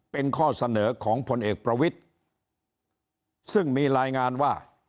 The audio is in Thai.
เป็นข้อเสนอของพลเอกประวิทธิ์ซึ่งมีรายงานว่า